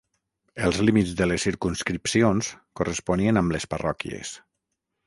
Els límits de les circumscripcions corresponien amb les parròquies.